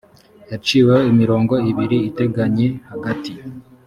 yaciweho imirongo ibiri iteganye hagati